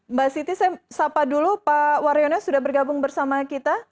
mbak siti saya sapa dulu pak waryono sudah bergabung bersama kita